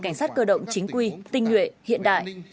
cảnh sát cơ động chính quy tinh nguyện hiện đại